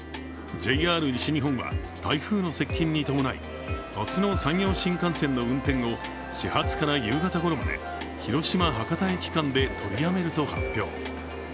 ＪＲ西日本は台風の接近に伴い、明日の山陽新幹線の運転を始発から夕方ごろまで広島−博多駅間で取りやめると発表